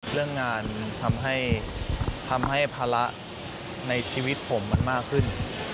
เรื่องงานทำให้ภาระในชีวิตผมมันมากขึ้น